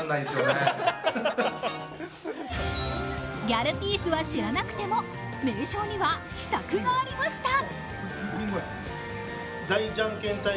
ギャルピースは知らなくても名将には秘策がありました。